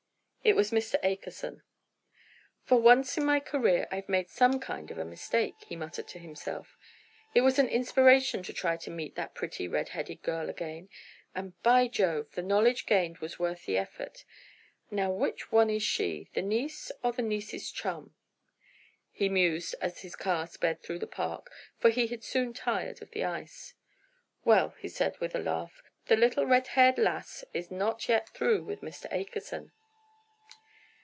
It was Mr. Akerson. "For once in my career I've made some kind of a mistake," he muttered to himself. "It was an inspiration to try to meet that pretty red haired girl again, and by Jove! the knowledge gained was worth the effort! Now which one is she; the niece or the niece's chum?" he mused as his car sped through the park, for he had soon tired of the ice. "Well," he said, with a laugh, "the little red haired lass is not yet through with Mr. Akerson."